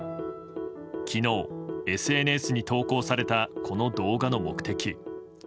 昨日ＳＮＳに投稿されたこの動画の目的。